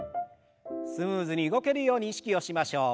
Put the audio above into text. スムーズに動けるように意識をしましょう。